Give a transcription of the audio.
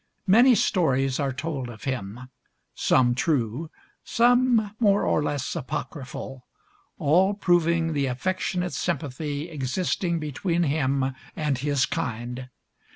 Many stories are told of him; some true, some more or less apocryphal, all proving the affectionate sympathy existing between him and his kind.